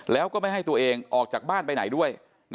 แล้วก็ไม่ให้ตัวเองออกจากบ้านไปไหนด้วย